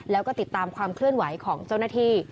แล้วก็ติดตามความเคลื่อนไหวของเจ้าหน้าที่